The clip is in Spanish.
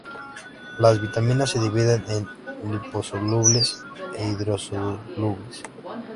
Las vitaminas se dividen en Liposolubles e hidrosolubles.